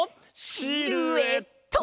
シルエット！